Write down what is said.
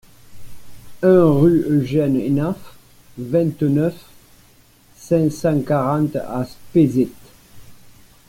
un rue Eugène Hénaff, vingt-neuf, cinq cent quarante à Spézet